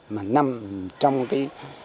mà nằm trong cái